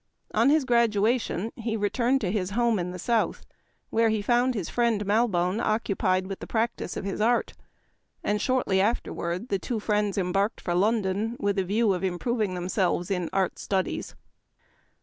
On his graduation he returned to his home in the South, where he found his friend Malbone occupied with the practice of his art ; and, shortly afterward, the two friends embarked for London with a view o{ improving themselves in art studies.